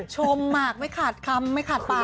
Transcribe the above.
หมักไม่ขาดคำไม่ขาดปาก